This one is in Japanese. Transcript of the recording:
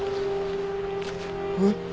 えっ？